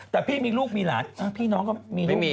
แต่พี่มีลูกมีหลานพี่น้องก็มีไม่มี